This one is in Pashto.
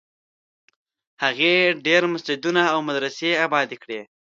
هغې ډېر مسجدونه او مدرسې ابادي کړې.